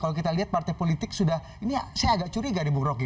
kalau kita lihat partai politik sudah ini saya agak curiga nih bu rocky